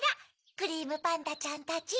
クリームパンダちゃんたち。